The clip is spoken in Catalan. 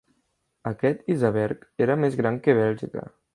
Aquest iceberg era més gran que Bèlgica.